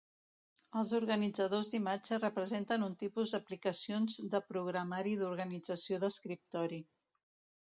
Els organitzadors d'imatge representen un tipus d'aplicacions de programari d'organització d'escriptori.